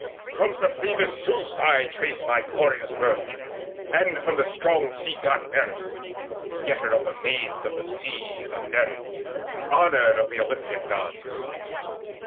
From supremest Zeus I trace My glorious birth; and from the strong Sea god Nereus, begetter of the Maids of the Sea, The Nereids, honoured of the Olympian Gods.